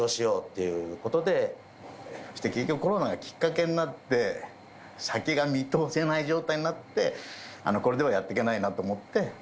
結局コロナがきっかけになって、先が見通せない状態になって、これではやってけないなと思って。